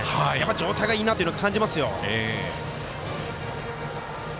状態がいいなと感じますよ。